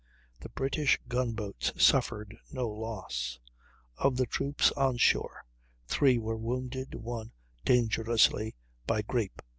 The British gun boats suffered no loss; of the troops on shore three were wounded, one dangerously, by grape.